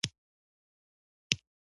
د مالیزیا خواړه له څو کلتورونو جوړ دي.